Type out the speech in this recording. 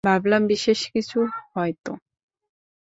ভাবলাম বিশেষ কিছু হয়তো।